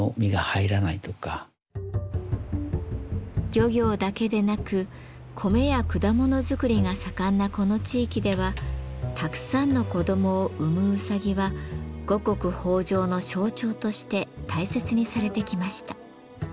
漁業だけでなく米や果物作りが盛んなこの地域ではたくさんの子どもを産むうさぎは五穀豊穣の象徴として大切にされてきました。